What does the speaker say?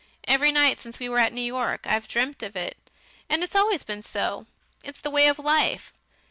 Every night since we were at New York I've dreamt of it.... And it's always been so it's the way of life.